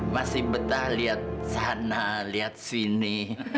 masih betah lihat sana lihat sini